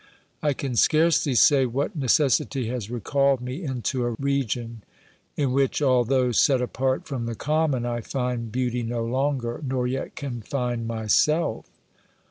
I can scarcely say what necessity has recalled me into a region in which, although set apart from the common, I find beauty no longer, nor yet can find myself.